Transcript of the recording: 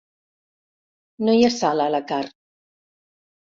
No hi ha sal a la carn.